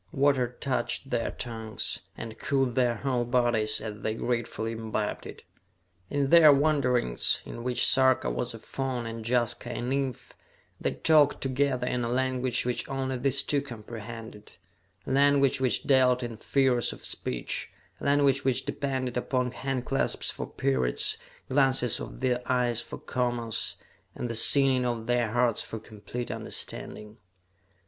Water touched their tongues, and cooled their whole bodies as they gratefully imbibed it. In their wanderings, in which Sarka was a faun and Jaska a nymph, they talked together in a language which only these two comprehended a language which dealt in figures of speech, a language which depended upon handclasps for periods, glances of the eyes for commas, and the singing of their hearts for complete understanding.